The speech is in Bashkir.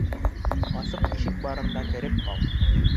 Асыҡ ишек барында кереп ҡал.